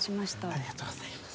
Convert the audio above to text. ありがとうございます。